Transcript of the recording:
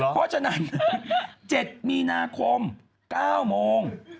เพราะฉะนั้น๗มีนาคม๙โมง